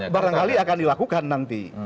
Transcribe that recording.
barangkali akan dilakukan nanti